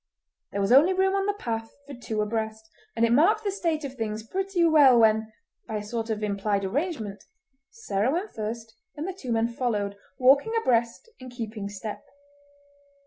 There was only room on the path for two abreast, and it marked the state of things pretty well when, by a sort of implied arrangement, Sarah went first, and the two men followed, walking abreast and keeping step.